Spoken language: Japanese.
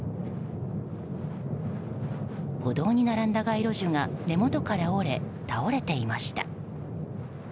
歩道に並んだ街路樹が根元から折れ、倒れていました。